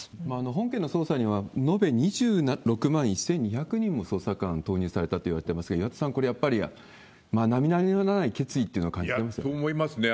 本件の捜査には、延べ２６万１２００人も捜査官を投入されたといわれていますが、岩田さん、これ、やっぱり並々ならない決意というのを感じられますよね。